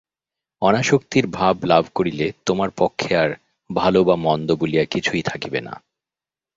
অনাসক্তির ভাব লাভ করিলে তোমার পক্ষে আর ভাল বা মন্দ বলিয়া কিছুই থাকিবে না।